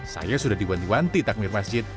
saya sudah diwanti wanti takmir masjid